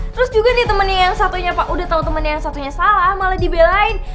terus juga nih temennya yang satunya pak udah tahu temen yang satunya salah malah dibelain